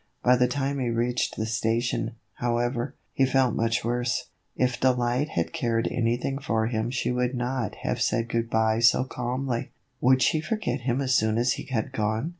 By the time he reached the station, however, he felt much worse. If Delight had cared anything for him she could not have said good by so calmly. Would she forget him as soon, as he had gone